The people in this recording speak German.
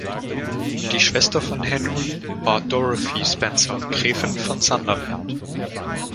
Die Schwester von Henry war Dorothy Spencer, Gräfin von Sunderland.